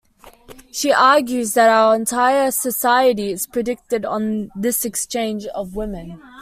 She argues that our entire society is predicated on this exchange of women.